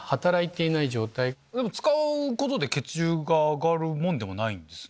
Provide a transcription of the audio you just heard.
使うことで血流が上がるもんでもないんですね。